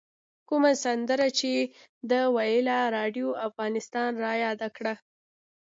کومه سندره چې ده ویله راډیو افغانستان رایاد کړ.